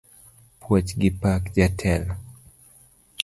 Puoch gi pak jatelo